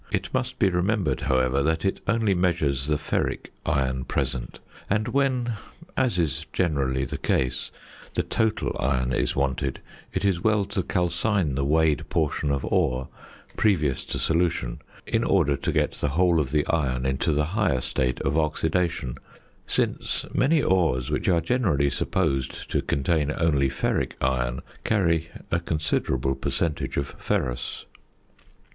It must be remembered, however, that it only measures the ferric iron present, and when (as is generally the case) the total iron is wanted, it is well to calcine the weighed portion of ore previous to solution in order to get the whole of the iron into the higher state of oxidation, since many ores which are generally supposed to contain only ferric iron carry a considerable percentage of ferrous.